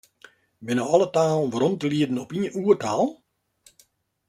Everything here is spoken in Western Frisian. Binne alle talen werom te lieden op ien oertaal?